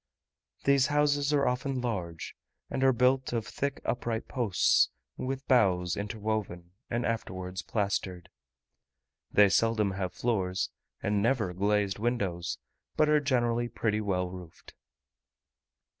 These houses are often large, and are built of thick upright posts, with boughs interwoven, and afterwards plastered. They seldom have floors, and never glazed windows; but are generally pretty well roofed.